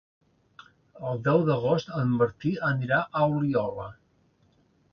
El deu d'agost en Martí anirà a Oliola.